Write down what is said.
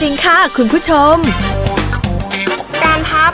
พี่ดาขายดอกบัวมาตั้งแต่อายุ๑๐กว่าขวบ